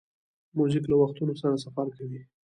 موزیک له وختونو سره سفر کوي.